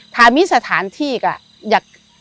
ถ้ามีสถานที่ก็อยาก